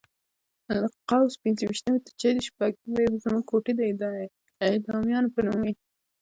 له قوس پنځه ویشتمې تر جدي شپږمې زموږ کوټې د اعدامیانو په نوم وې.